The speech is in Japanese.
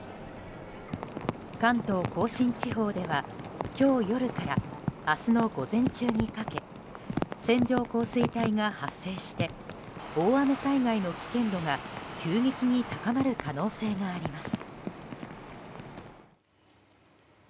関東・甲信地方では今日夜から明日の午前中にかけ線状降水帯が発生して大雨災害の危険度が急激に高まる可能性があります。